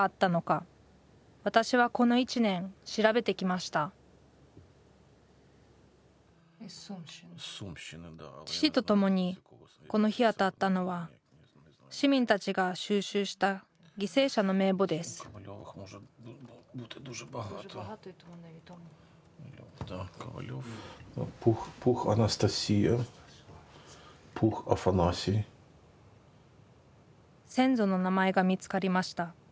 私はこの１年調べてきました父と共にこの日当たったのは市民たちが収集した犠牲者の名簿です先祖の名前が見つかりました。